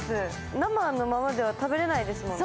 生のままでは食べれないですもんね。